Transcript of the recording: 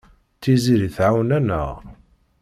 Tiziri tɛawen-aneɣ.